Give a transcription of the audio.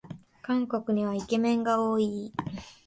韓国にはイケメンが多い